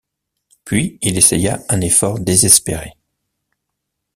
Puis il essaya un effort désespéré.